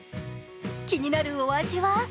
気になるお味は？